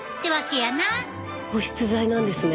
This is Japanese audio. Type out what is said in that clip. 保湿剤なんですね。